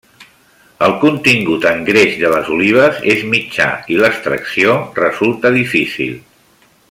El contingut en greix de les olives és mitjà, i l'extracció resulta difícil.